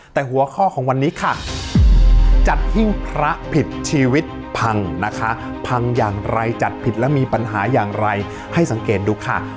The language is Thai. แต่หัวข้อของวันนี้ค่ะจัดหิ้งพระผิดชีวิตพังนะคะพังอย่างไรจัดผิดและมีปัญหาอย่างไรให้สังเกตดูค่ะ